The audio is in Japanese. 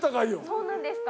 そうなんですか？